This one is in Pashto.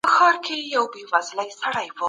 سوله له شخړې څخه ډېره غوره ده.